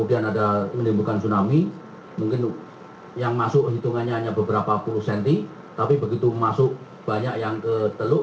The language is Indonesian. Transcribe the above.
ini mungkin yang masuk hitungannyaannya beberapa puluh cm tapi begitu masuk banyak yang kethoe